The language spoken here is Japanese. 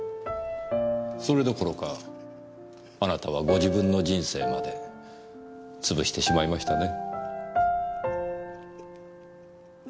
それどころかあなたはご自分の人生まで潰してしまいましたね。